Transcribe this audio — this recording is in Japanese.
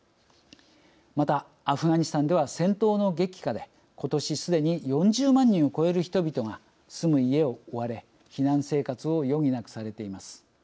また、アフガニスタンでは戦闘の激化でことし、すでに４０万人を超える人々が住む家を追われ避難生活を余儀なくされています。